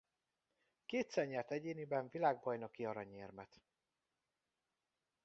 Kétszer nyert egyéniben világbajnoki aranyérmet.